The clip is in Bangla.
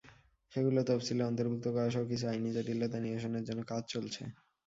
সেগুলো তফসিলে অন্তর্ভুক্ত করাসহ কিছু আইনি জটিলতা নিরসনের জন্য কাজ চলছে।